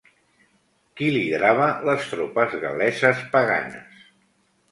Qui liderava les tropes gal·leses paganes?